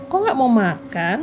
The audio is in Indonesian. kok gak mau makan